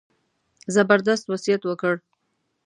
زبردست وصیت وکړ.